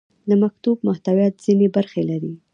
د مکتوب محتویات ځینې برخې لري.